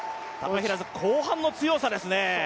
後半の強さですね。